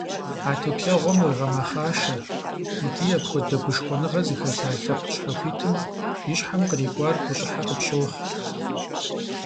А теплъэгъуэм уегъэмэхъашэ икӀи апхуэдэ гушхуэныгъэ зыхэлъа лъэпкъ щхьэхуитым и щхьэм кърикӀуар гущӀыхьэ къыпщохъу.